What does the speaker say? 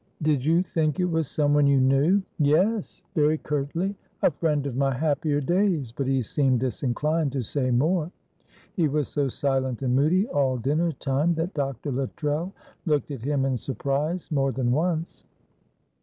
"Did you think it was someone you knew?" "Yes," very curtly "a friend of my happier days." But he seemed disinclined to say more. He was so silent and moody all dinner time that Dr. Luttrell looked at him in surprise more than once.